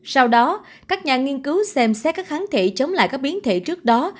sau đó các nhà nghiên cứu xem xét các kháng thể chống lại các biến thể trước đó